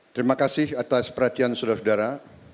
terima kasih atas perhatian saudara saudara